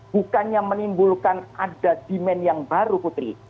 bukannya menimbulkan ada demand yang baru putri